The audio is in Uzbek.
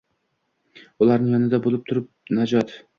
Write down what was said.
Ularni yonida bulib tur najot